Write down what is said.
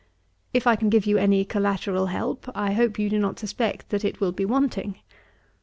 If I can give you any collateral help, I hope you do not suspect that it will be wanting.